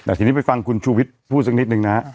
เดี๋ยวทีนี้ไปฟังคุณชุวิตพูดสักนิดนึงนะฮะ